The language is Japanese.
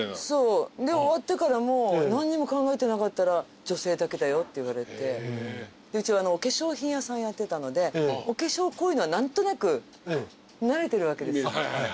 そう終わってからも何にも考えてなかったら「女性だけだよ」って言われてうちお化粧品屋さんやってたのでお化粧濃いのは何となく慣れてるわけです。